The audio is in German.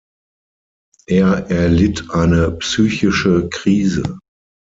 Er erlitt eine psychische Krise.